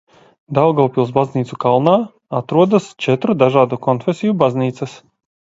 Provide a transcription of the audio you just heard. Daugavpils Baznīcu kalnā atrodas četru dažādu konfesiju baznīcas.